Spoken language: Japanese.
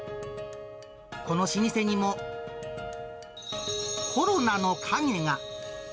この老舗にも、コロナの影が。